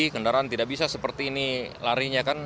kendaraan tidak bisa seperti ini larinya kan